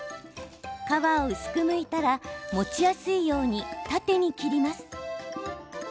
皮を薄くむいたら持ちやすいように縦に切ります。